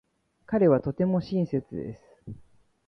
彼はとても親切です。